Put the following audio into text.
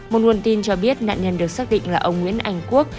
một nguồn tin cho biết nạn nhân được xác định là ông nguyễn anh quốc